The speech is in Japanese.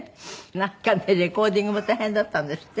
なんかねレコーディングも大変だったんですって？